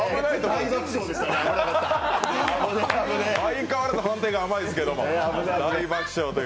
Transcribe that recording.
相変わらず判定が甘いですけど。